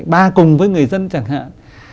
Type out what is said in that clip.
ba cùng với người dân chẳng hạn